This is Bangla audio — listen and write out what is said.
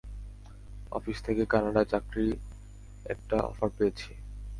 অফিস থেকে কানাডায় চাকরির একটা অফার পেয়েছি।